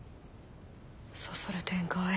そそる展開。